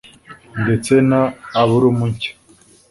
ndetse na alubumu nshya